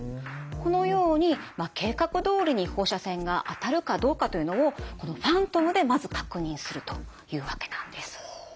このように計画どおりに放射線が当たるかどうかというのをこのファントムでまず確認するというわけなんです。